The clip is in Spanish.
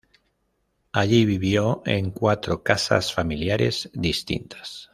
Allí vivió en cuatro casas familiares distintas.